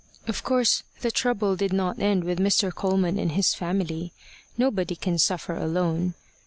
Of course, the trouble did not end with Mr. Coleman and his family. Nobody can suffer alone.